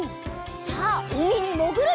さあうみにもぐるよ！